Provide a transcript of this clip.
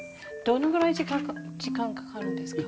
どのぐらい時間かかるんですか？